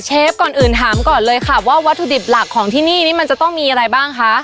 ก่อนอื่นถามก่อนเลยค่ะว่าวัตถุดิบหลักของที่นี่นี่มันจะต้องมีอะไรบ้างคะ